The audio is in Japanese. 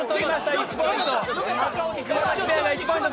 １ポイント。